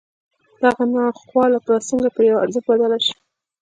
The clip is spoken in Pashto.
دغه ناخواله به څنګه پر يوه ارزښت بدله شي.